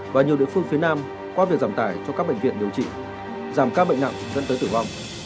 và nhiều địa phương phía nam qua việc giảm tải cho các bệnh viện điều trị giảm các bệnh nặng dẫn tới tử vong